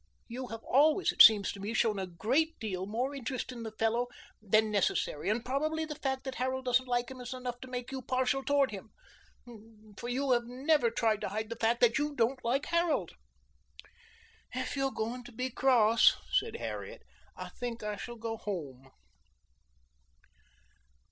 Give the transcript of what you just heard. You have always, it seems to me, shown a great deal more interest in the fellow than necessary, and probably the fact that Harold doesn't like him is enough to make you partial toward him, for you have never tried to hide the fact that you don't like Harold." "If you're going to be cross," said Harriet, "I think I shall go home."